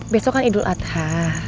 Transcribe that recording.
besok kan idul adha